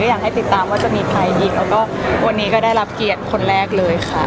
อยากให้ติดตามว่าจะมีใครยิงแล้วก็วันนี้ก็ได้รับเกียรติคนแรกเลยค่ะ